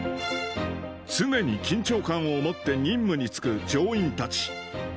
常に緊張感を持って任務に就く乗員たち。